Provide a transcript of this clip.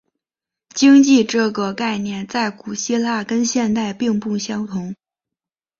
经济这个概念在古希腊跟现代并不相同。